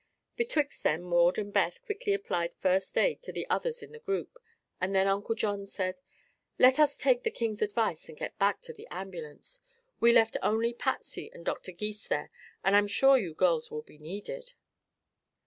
Betwixt them Maud and Beth quickly applied first aid to the others in the group and then Uncle John said: "Let us take the king's advice and get back to the ambulance. We left only Patsy and Dr. Gys there and I'm sure you girls will be needed."